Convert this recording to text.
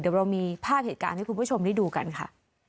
เดี๋ยวเรามีภาพเหตุการณ์ให้คุณผู้ชมได้ดูกันค่ะ